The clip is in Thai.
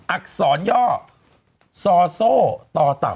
อักษรย่อซอโซ่ต่อเต่า